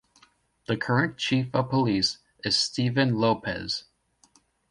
The current chief of police is Stephen Lopez.